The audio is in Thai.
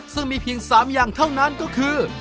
ซึ่งมีเพียง๓อย่างเท่านั้นก็คือ